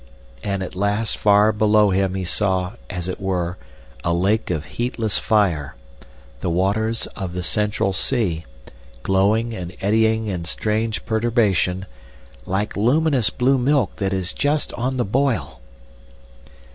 And at last far below him he saw, as it were, a lake of heatless fire, the waters of the Central Sea, glowing and eddying in strange perturbation, "like luminous blue milk that is just on the boil."